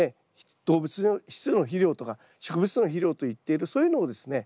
動物質の肥料とか植物質の肥料といっているそういうのをですね